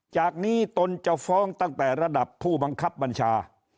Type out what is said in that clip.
จากนี้ตนจะฟ้องตั้งแต่ระดับผู้บังคับบัญชา